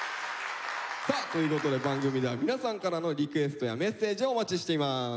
さあということで番組では皆さんからのリクエストやメッセージをお待ちしています。